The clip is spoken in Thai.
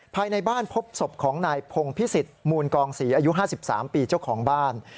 ภายในบ้านพบศพของนายพงพิสิทธิมูลกองศรีอายุ๕๓ปีเจ้าของบ้าน